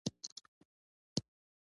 بېنډۍ د وینې فشار کموي